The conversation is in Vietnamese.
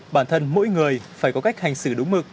bản thân mỗi người phải có cách hành xử đúng mực